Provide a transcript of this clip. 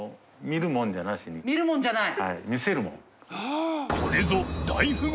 見るもんじゃない。